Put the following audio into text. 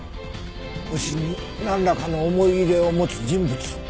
星になんらかの思い入れを持つ人物？